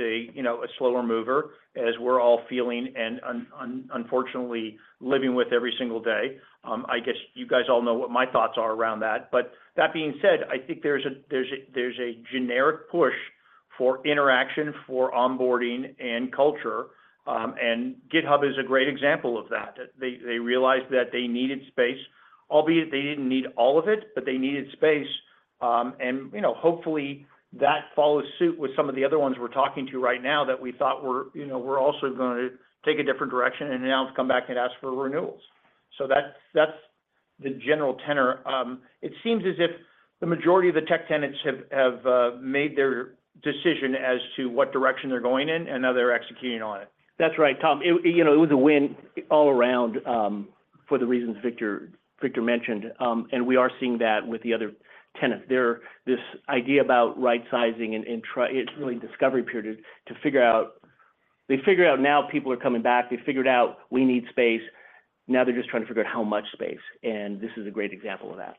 a, you know, a slower mover as we're all feeling and unfortunately living with every single day. I guess you guys all know what my thoughts are around that. But that being said, I think there's a generic push for interaction, for onboarding, and culture, and GitHub is a great example of that. They realized that they needed space, albeit they didn't need all of it, but they needed space. And you know, hopefully that follows suit with some of the other ones we're talking to right now that we thought were, you know, also going to take a different direction and now have come back and ask for renewals. So that's that's the general tenor. It seems as if the majority of the tech tenants have have made their decision as to what direction they're going in and now they're executing on it. That's right, Tom. You know, it was a win all around for the reasons Victor mentioned, and we are seeing that with the other tenants. There's this idea about right-sizing and it's really discovery period to figure out. They figure out now people are coming back. They figured out we need space. Now they're just trying to figure out how much space and this is a great example of that.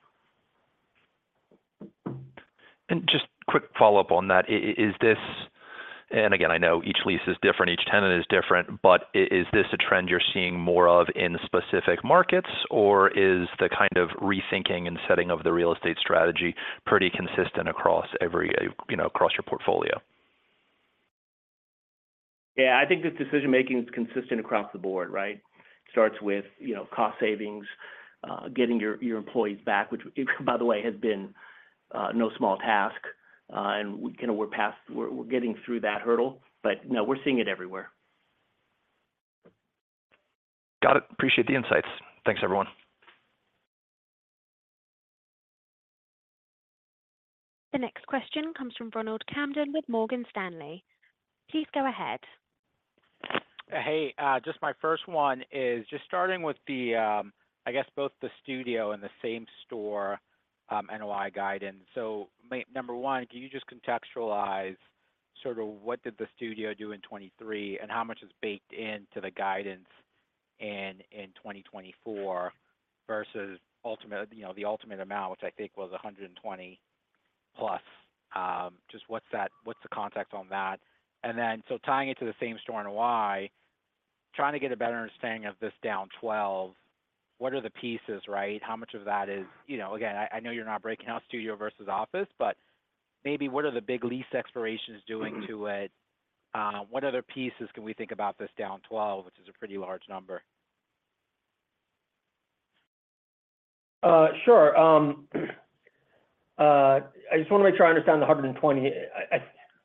Just quick follow up on that, is this, and again I know each lease is different, each tenant is different, but is this a trend you're seeing more of in specific markets or is the kind of rethinking and setting of the real estate strategy pretty consistent across every, you know, across your portfolio? Yeah, I think the decision making is consistent across the board, right. It starts with, you know, cost savings, getting your employees back, which, by the way, has been no small task, and we kind of, we're past. We're getting through that hurdle, but no, we're seeing it everywhere. Got it. Appreciate the insights. Thanks everyone. The next question comes from Ronald Kamdem with Morgan Stanley. Please go ahead. Hey, just my first one is just starting with the, I guess, both the studio and the same-store NOI guidance. So number one, can you just contextualize sort of what did the studio do in 2023 and how much is baked into the guidance in 2024 versus ultimately, you know, the ultimate amount which I think was 120+? Just what's that? What's the context on that? And then so tying it to the same-store NOI, trying to get a better understanding of this down 12%—what are the pieces, right? How much of that is, you know, again I know you're not breaking out studio versus office, but maybe what are the big lease expirations doing to it? What other pieces can we think about this down 12% which is a pretty large number? Sure. I just want to make sure I understand the 120.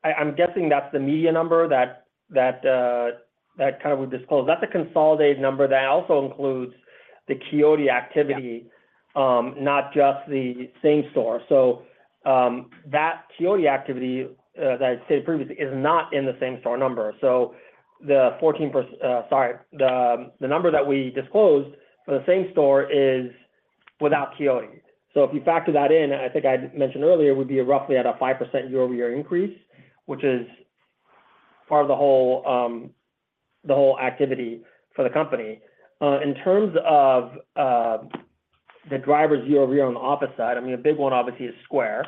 I'm guessing that's the media number that kind of we've disclosed. That's a consolidated number that also includes the Quixote activity not just the same-store. So that Quixote activity that I stated previously is not in the same-store number. So the 14%, sorry, the number that we disclosed for the same-store is without Quixote. So if you factor that in I think I mentioned earlier we'd be roughly at a 5% year-over-year increase which is part of the whole activity for the company. In terms of the drivers year-over-year on the opposite side, I mean a big one obviously is Square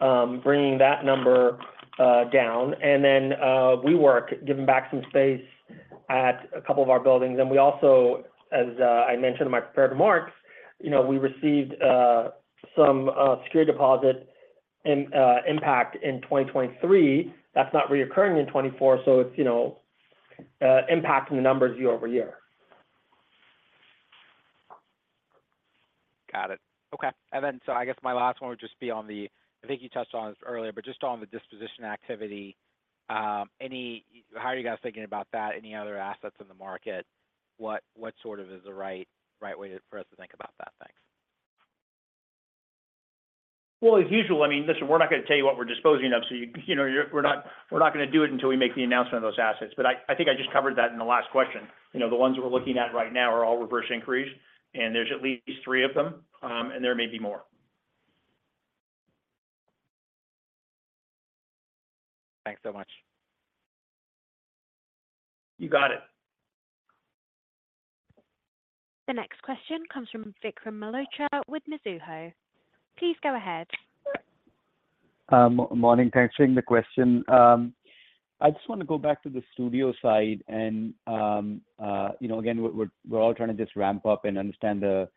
bringing that number down and then WeWork giving back some space at a couple of our buildings and we also as I mentioned in my prepared remarks you know we received some security deposit impact in 2023 that's not recurring in 2024 so it's you know impacting the numbers year-over-year. Got it. Okay. So, I guess my last one would just be on the disposition activity. I think you touched on this earlier, but just on the disposition activity. How are you guys thinking about that? Any other assets in the market? What sort of is the right way for us to think about that? Thanks. Well, as usual, I mean, listen, we're not going to tell you what we're disposing of, so you know, we're not, we're not going to do it until we make the announcement of those assets, but I think I just covered that in the last question. You know, the ones we're looking at right now are all reverse inquiries, and there's at least three of them, and there may be more. Thanks so much. You got it. The next question comes from Vikram Malhotra with Mizuho. Please go ahead. Morning. Thanks for taking the question. I just want to go back to the studio side and you know again we're all trying to just ramp up and understand the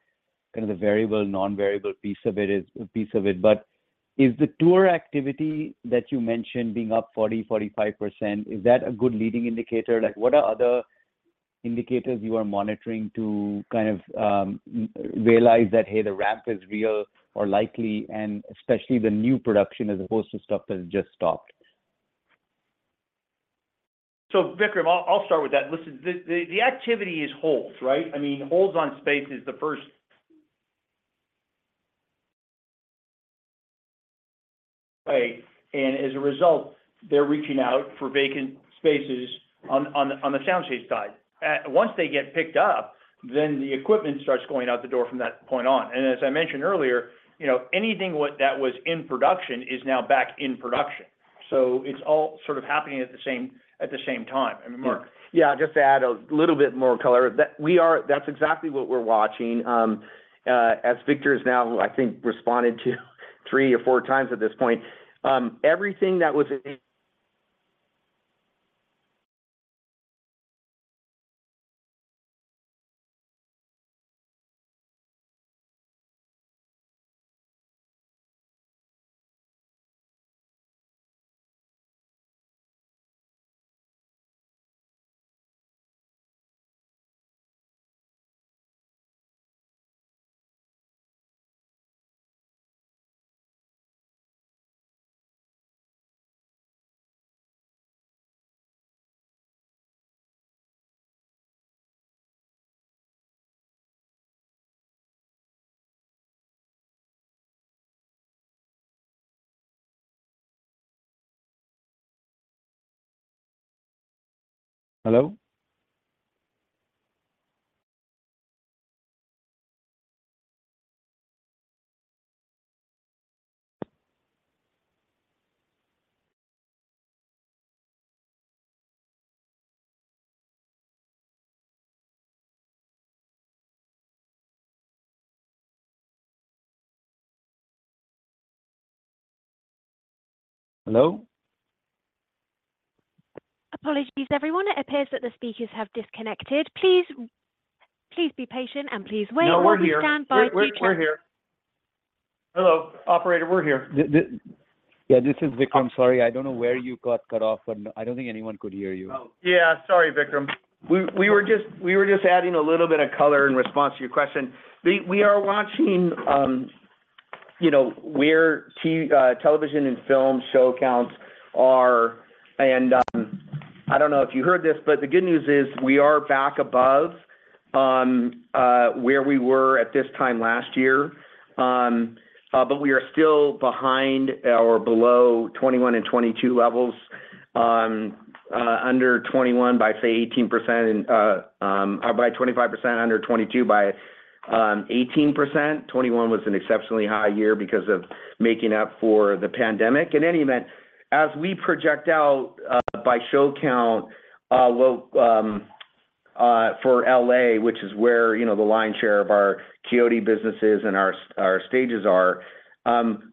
kind of the variable non-variable piece of it is a piece of it but is the tour activity that you mentioned being up 40%-45% is that a good leading indicator like what are other indicators you are monitoring to kind of realize that hey the ramp is real or likely and especially the new production as opposed to stuff that has just stopped. So Vikram, I'll start with that. Listen, the activity is holds, right? I mean, holds on space is the first, right, and as a result they're reaching out for vacant spaces on the soundstage side. Once they get picked up, then the equipment starts going out the door from that point on, and as I mentioned earlier, you know, anything that was in production is now back in production. So it's all sort of happening at the same time. I mean, Mark. Yeah, just to add a little bit more color, that we are—that's exactly what we're watching as Victor has now, I think, responded to three or four times at this point, everything that was. Hello? Hello? Apologies everyone. It appears that the speakers have disconnected. Please be patient and please wait. No, we're here. We're standing by. We're here. Hello, operator, we're here. Yeah, this is Vikram. I'm sorry, I don't know where you got cut off, but I don't think anyone could hear you. Yeah, sorry, Vikram. We were just we were just adding a little bit of color in response to your question. We are watching, you know, where television and film show counts are, and I don't know if you heard this, but the good news is we are back above where we were at this time last year, but we are still behind or below 2021 and 2022 levels under 2021 by say 18% and by 25% under 2022 by 18%. 2021 was an exceptionally high year because of making up for the pandemic. In any event, as we project out by show count, we'll for L.A., which is where, you know, the lion's share of our Quixote businesses and our stages are,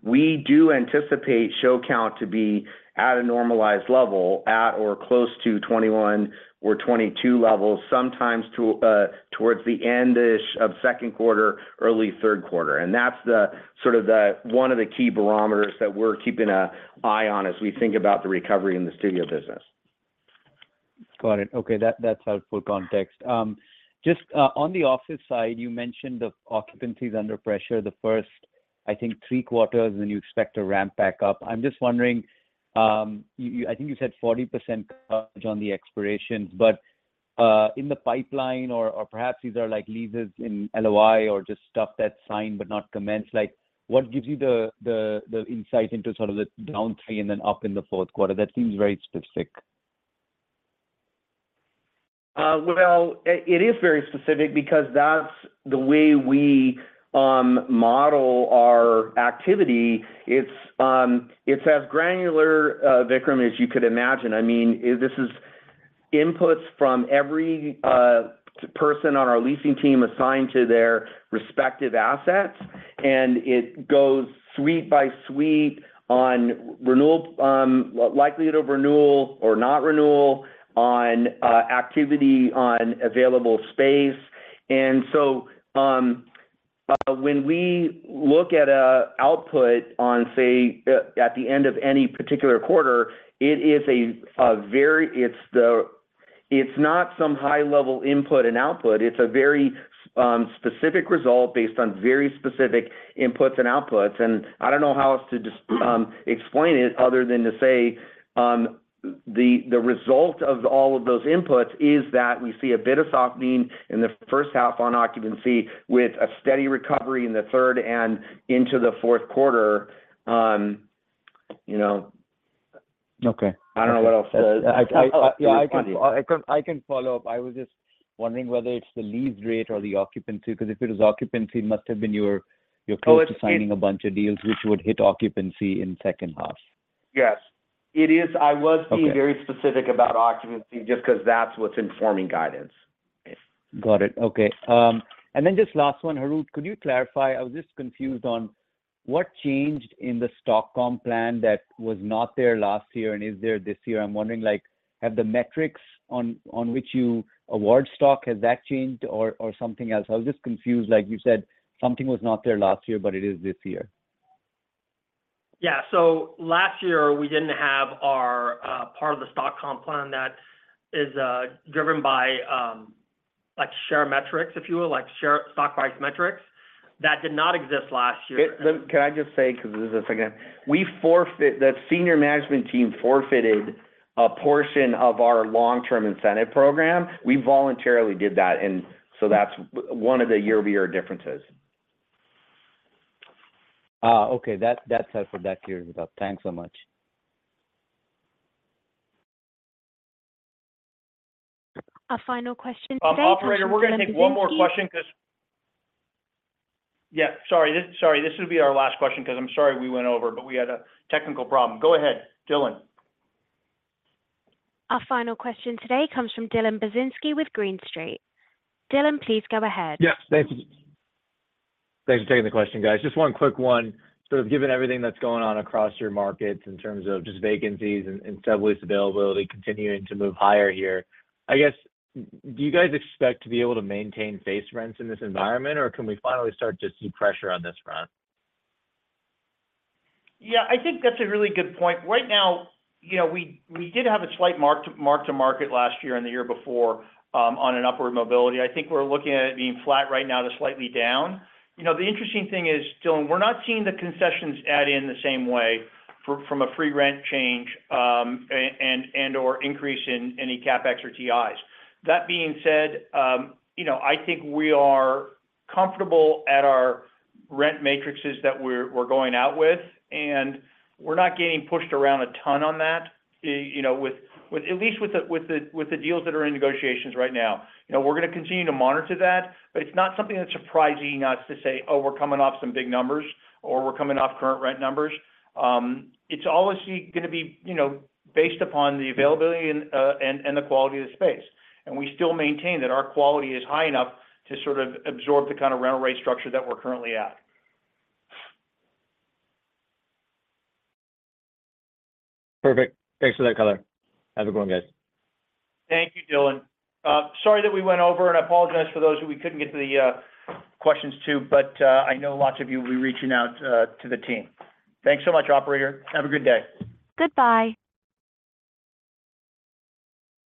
we do anticipate show count to be at a normalized level at or close to 2021 or 2022 levels sometimes towards the endish of second quarter, early third quarter, and that's the sort of the one of the key barometers that we're keeping an eye on as we think about the recovery in the studio business. Got it. Okay, that's helpful context. Just on the office side, you mentioned the occupancy is under pressure the first, I think, three quarters and you expect to ramp back up. I'm just wondering, I think you said 40% on the expirations but in the pipeline or perhaps these are like leases in place or just stuff that's signed but not commenced like what gives you the insight into sort of the down in Q3 and then up in the fourth quarter that seems very specific. Well, it is very specific because that's the way we model our activity. It's as granular, Victor, as you could imagine. I mean, this is inputs from every person on our leasing team assigned to their respective assets, and it goes suite by suite on renewal likelihood of renewal or not renewal on activity on available space. And so when we look at an output, say, at the end of any particular quarter, it is very specific. It's not some high-level input and output. It's a very specific result based on very specific inputs and outputs, and I don't know how else to explain it other than to say the result of all of those inputs is that we see a bit of softening in the first half on occupancy with a steady recovery in the third and into the fourth quarter. You know. Okay. I don't know what else to add. Yeah, I can follow up. I was just wondering whether it's the lease rate or the occupancy because if it was occupancy it must have been you're close to signing a bunch of deals which would hit occupancy in second half. Yes, it is. I was being very specific about occupancy just because that's what's informing guidance. Got it. Okay. And then just last one, Harout. Could you clarify? I was just confused on what changed in the stock comp plan that was not there last year and is there this year. I'm wondering, like, have the metrics on which you award stock changed or something else? I was just confused, like, you said something was not there last year but it is this year. Yeah, so last year we didn't have our part of the stock comp plan that is driven by share metrics, if you will, like share stock price metrics that did not exist last year. Can I just say, because this is—again—we, the senior management team, forfeited a portion of our long-term incentive program. We voluntarily did that, and so that's one of the year-over-year differences. Okay, that's helpful. That clears it up. Thanks so much. A final question today. Operator, we're going to take one more question because. Yeah, sorry, sorry. This would be our last question because I'm sorry we went over, but we had a technical problem. Go ahead, Dylan. A final question today comes from Dylan Burzinski with Green Street. Dylan please go ahead. Yes, thanks. Thanks for taking the question, guys. Just one quick one sort of given everything that's going on across your markets in terms of just vacancies and sublease availability continuing to move higher here. I guess do you guys expect to be able to maintain face rents in this environment or can we finally start to see pressure on this front? Yeah, I think that's a really good point. Right now, you know, we did have a slight mark-to-market last year and the year before on an upward mobility. I think we're looking at it being flat right now to slightly down. You know, the interesting thing is, Dylan, we're not seeing the concessions add in the same way from a free rent change and/or increase in any CapEx or TIs. That being said, you know, I think we are comfortable at our rent matrices that we're going out with and we're not getting pushed around a ton on that, you know, with at least with the deals that are in negotiations right now. You know, we're going to continue to monitor that, but it's not something that's surprising us to say, oh, we're coming off some big numbers or we're coming off current rent numbers. It's obviously going to be, you know, based upon the availability and the quality of the space and we still maintain that our quality is high enough to sort of absorb the kind of rental rate structure that we're currently at. Perfect. Thanks for that color. Have a good one guys. Thank you, Dylan. Sorry that we went over, and I apologize for those who we couldn't get to the questions to, but I know lots of you will be reaching out to the team. Thanks so much, operator. Have a good day. Goodbye.